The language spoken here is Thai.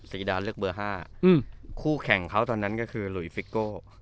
สีดาเลือกเบอร์๕คู่แข่งเขาตอนนั้นก็คือหลุยฟิโก้